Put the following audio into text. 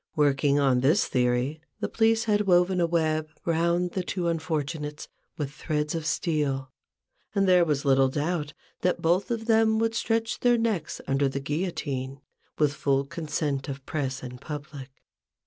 Working on this theory, the police had woven a web round the two unfortunates with threads of steel; and there was little doubt, that both of them would stretch their necks under the guillotine, with full consent of press and public.